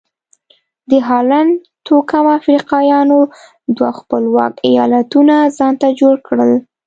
د هالنډ توکمه افریقایانو دوه خپلواک ایالتونه ځانته جوړ کړل.